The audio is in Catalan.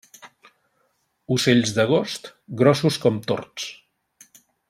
Ocells d'agost, grossos com tords.